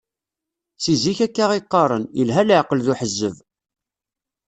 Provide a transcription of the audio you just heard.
Si zik akka i qqaren, yelha leεqel d uḥezzeb.